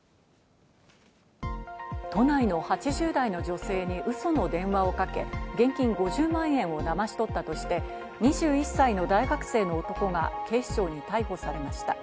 都内の８０代の女性にウソの電話をかけ、現金５０万円をだまし取ったとして、２１歳の大学生の男が警視庁に逮捕されました。